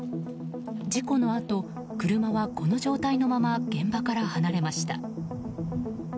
事故のあと、車はこの状態のまま現場から離れました。